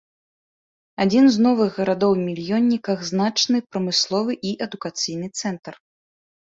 Адзін з новых гарадоў-мільённіках, значны прамысловы і адукацыйны цэнтр.